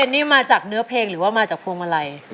นี่มาจากเนื้อเพลงหรือว่ามาจากพวงมาลัย